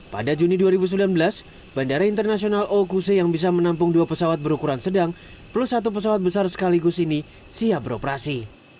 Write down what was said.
pada juni dua ribu sembilan belas bandara internasional okuse yang bisa menampung dua pesawat berukuran sedang plus satu pesawat besar sekaligus ini siap beroperasi